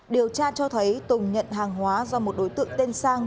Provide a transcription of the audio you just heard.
điều tra cho thấy tùng nhận hàng hóa do một đối tượng tên sang